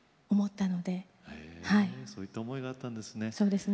へそういった思いがあったんですね。